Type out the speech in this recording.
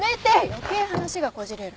余計話がこじれる。